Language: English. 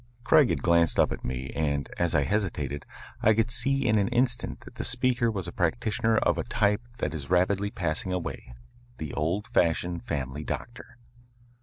Craig had glanced up at me and, as I hesitated, I could see in an instant that the speaker was a practitioner of a type that is rapidly passing away, the old fashioned family doctor.